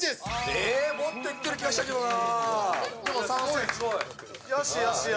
えー、もっといってる気がしたけどな。